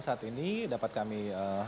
saat ini dapat kami